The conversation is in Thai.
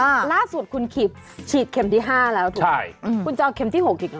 อ้าวล่าสุดคุณฉีดเข็มที่๕แล้วถูกไหมคุณจะเอาเข็มที่๖หรือ